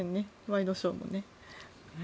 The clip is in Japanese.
ワイドショーもね。